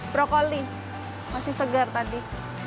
brokoli masih segar tadi